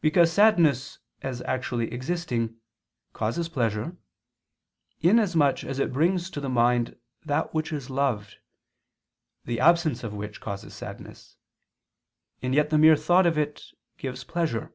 Because sadness, as actually existing, causes pleasure, inasmuch as it brings to mind that which is loved, the absence of which causes sadness; and yet the mere thought of it gives pleasure.